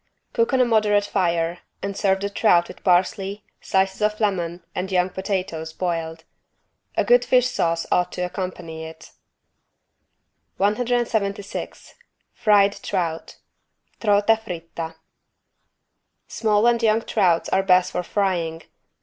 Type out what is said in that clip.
Cook on a moderate fire and serve the trout with parsley, slices of lemon and young potatoes boiled. A good fish sauce ought to accompany it. 176 FRIED TROUT (Trota fritta) Small and young trouts are best for frying.